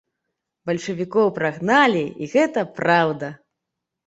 Бальшавікоў прагналі, і гэта праўда.